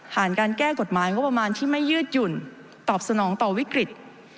การแก้กฎหมายงบประมาณที่ไม่ยืดหยุ่นตอบสนองต่อวิกฤต